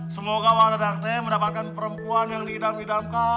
semoga wak dadang tehya mendapatkan perempuan yang diidam idamkan